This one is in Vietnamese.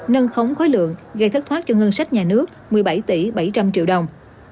nâng khống khối lượng gây thất thoát cho ngân sách nhà nước một mươi bảy tỷ bảy trăm linh triệu đồng